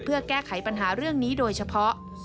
เพื่อแก้ไขปัญหาเรื่องนี้โดยเฉพาะ